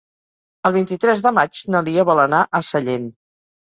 El vint-i-tres de maig na Lia vol anar a Sellent.